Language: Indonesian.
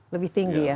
lebih tinggi ya